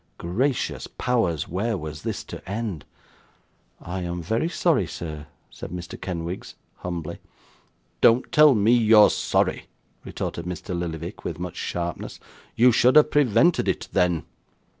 Gracious Powers, where was this to end! 'I am very sorry, sir,' said Mr. Kenwigs, humbly. 'Don't tell me you're sorry,' retorted Mr. Lillyvick, with much sharpness. 'You should have prevented it, then.